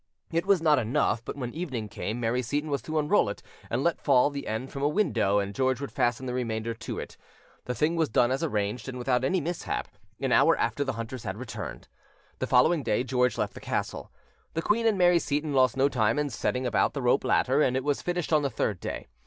It was not enough, but when evening came Mary Seyton was to unroll it and let fall the end from the window, and George would fasten the remainder to it: the thing was done as arranged, and without any mishap, an hour after the hunters had returned. The following day George left the castle. The queen and Mary Seyton lost no time in setting about the rope ladder, and it was finished on the third day.